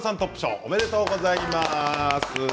おめでとうございます。